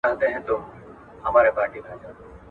هغوی په چين کي نوي ګامونه پورته کړل.